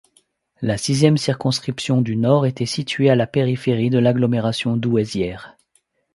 La sixième circonscription du Nord était située à la périphérie de l'agglomération douaisiènne.